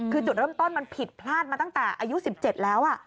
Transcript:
คือจุดเริ่มต้นมันผิดพลาดมาตั้งแต่อายุ๑๗แล้ว